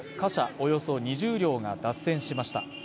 およそ２０両が脱線しました。